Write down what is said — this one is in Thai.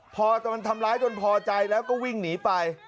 พอมันทำร้ายจนพอใจแล้วก็วิ่งหนีไป